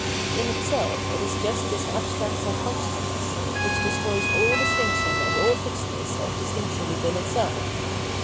In itself it is just this abstract self consciousness, which destroys all distinction and all fixedness of distinction within itself.